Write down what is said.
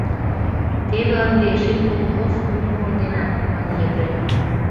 — Теве ынде эше кок воз пуым кондена, — мане Епрем.